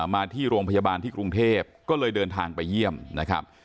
มาที่โรงพยาบาลที่กรุงเทพก็เลยเดินทางไปเยี่ยมนะครับ